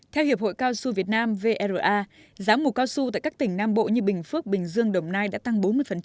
theo hiệp hội cao su việt nam vra giá mù cao su tại các tỉnh nam bộ như bình phước bình dương đồng nai đã tăng bốn mươi